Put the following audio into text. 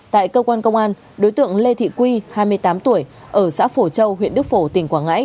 tại cơ quan công an đối tượng lê thị quy hai mươi tám tuổi ở xã phổ châu huyện đức phổ tỉnh quảng ngãi